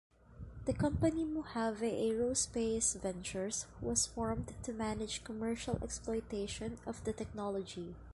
The company Mojave Aerospace Ventures was formed to manage commercial exploitation of the technology.